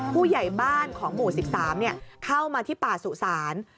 ผู้ใหญ่บ้านของหมู่๑๓เข้ามาที่ป่าสุสาน